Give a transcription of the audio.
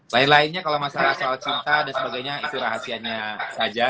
lain lainnya kalau masalah soal cinta dan sebagainya itu rahasianya saja